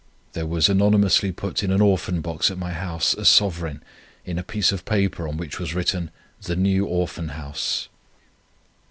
There was anonymously put in an Orphan box at my house a sovereign, in a piece of paper, on which was written, 'The New Orphan House.'